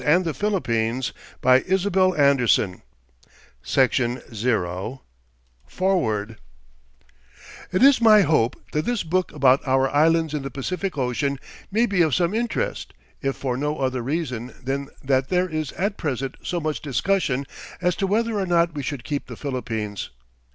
WELD WHOSE SHIPS SAILED UPON THESE TROPICAL SEAS FOREWORD It is my hope that this book about our islands in the Pacific ocean may be of some interest, if for no other reason than that there is at present so much discussion as to whether or not we should keep the Philippines.